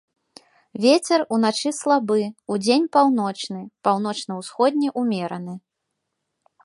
Вецер уначы слабы, удзень паўночны, паўночна-ўсходні ўмераны.